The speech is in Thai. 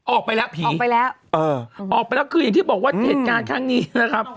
ออกไปแล้วผีออกไปแล้วคืออย่างที่บอกว่าเหตุการณ์ข้างนี้นะครับ